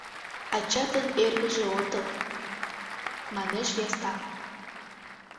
— Ачатын эргыже отыл, — манеш Ястап.